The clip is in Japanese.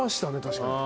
確かに。